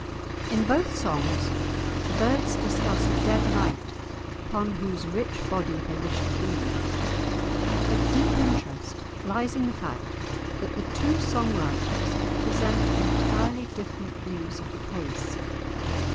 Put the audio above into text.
In both songs the birds discuss a dead knight upon whose rich body they wish to feed. But deep interest lies in the fact that the two song writers present entirely different views of the case.